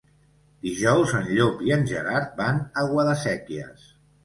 Dijous en Llop i en Gerard van a Guadasséquies.